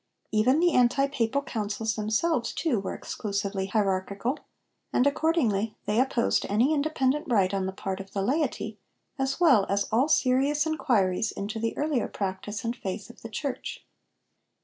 Even the anti Papal Councils themselves, too, were exclusively hierarchical, and accordingly they opposed any independent right on the part of the laity, as well as all serious enquiries into the earlier practice and faith of the Church.